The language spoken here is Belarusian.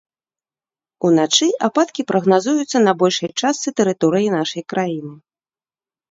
Уначы ападкі прагназуюцца на большай частцы тэрыторыі нашай краіны.